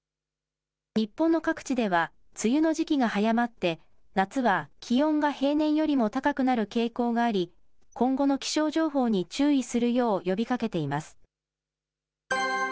日本の各地では梅雨の時期が早まって、夏は気温が平年よりも高くなる傾向があり、今後の気象情報に注意するよう呼びかけています。